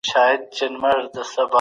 زکات د مال د پاکۍ نښه ده.